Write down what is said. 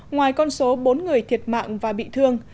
ngoài con số bốn người thiệt mạng và bị thương